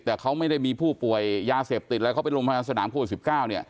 แต่เขาไม่ได้มีผู้ป่วยยาเสพติดแล้วเขาเป็นโรงพยาบาลสนามโควิดสิบเก้าเนี่ย